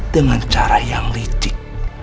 dengan cara yang licik